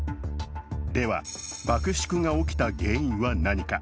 では、爆縮が起きた原因は何か。